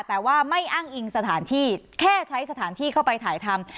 แต่ว่าไม่อ้างอิงสถานที่แค่ใช้สถานที่เข้าไปถ่ายทำ